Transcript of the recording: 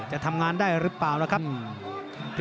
จะทำงานได้หรือเปล่าล่ะครับ